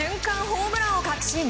ホームランを確信。